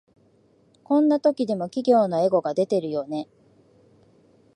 こんな時でも企業のエゴが出てるよね